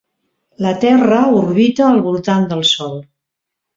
La Terra orbita al voltant del Sol.